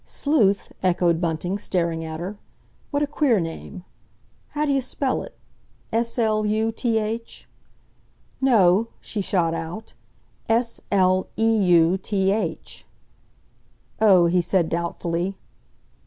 "Sleuth," echoed Bunting, staring at her. "What a queer name! How d'you spell it—S l u t h?" "No," she shot out, "S l e—u—t—h." "Oh," he said doubtfully.